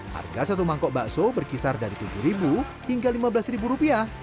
harga satu mangkok bakso berkisar dari tujuh hingga lima belas rupiah